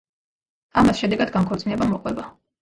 ამას შედეგად განქორწინება მოყვება.